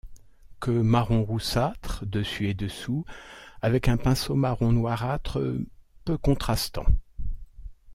Queue marron roussâtre dessus et dessous, avec un pinceau marron noirâtre peu contrastant.